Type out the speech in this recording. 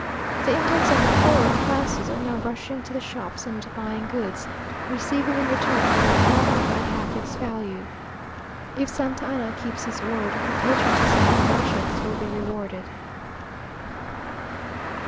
The Indians and the poorer classes are now rushing to the shops, and buying goods, receiving in return for their copper about half its value. If Santa Anna keeps his word, the patriotism of the merchants will be rewarded.